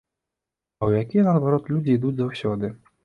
А ў якія, наадварот, людзі ідуць заўсёды?